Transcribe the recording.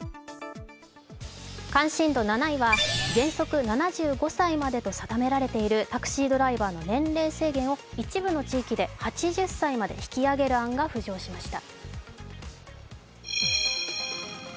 関心度７位は原則７５歳までと定められているタクシードライバーの年齢制限を一部の地域で８０歳まで引き上げる案が浮上しました。